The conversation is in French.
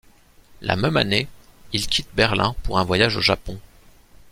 La même année, il quitte Berlin pour un voyage au Japon.